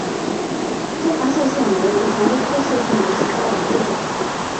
中华绣线梅为蔷薇科绣线梅属下的一个种。